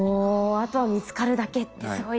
あとは見つかるだけってすごいですね。